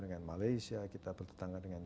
dengan malaysia kita bertetangga dengan